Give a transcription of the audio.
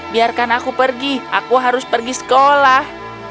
biarkan aku pergi aku harus pergi sekolah